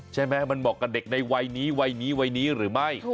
ใช่ไหมมันเหมาะกันเด็กในวัยนี้หรือไม่